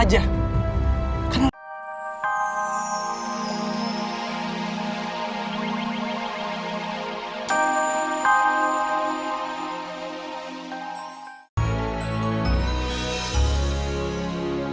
itu gak ada yang bisa diatasi